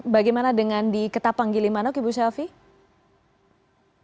bagaimana dengan di ketapang gili manuk ibu shelfie